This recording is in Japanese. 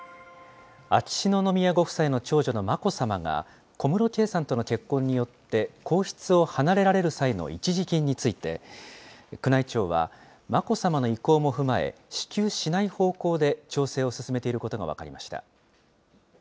秋篠宮ご夫妻の長女の眞子さまが、小室圭さんとの結婚によって皇室を離れられる際の一時金について、宮内庁は、眞子さまの意向も踏まえ、支給しない方向で調整を進めていることが分かりました。